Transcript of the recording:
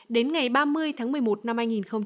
đến ngày ba mươi tháng một mươi một năm hai nghìn hai mươi